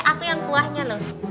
eh aku yang buahnya loh